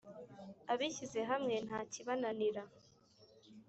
“Abishyize hamwe nta kibananira”.